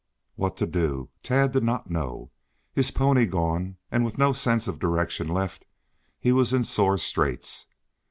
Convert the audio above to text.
What to do Tad did not know. His pony gone, and, with no sense of direction left, he was in sore straits.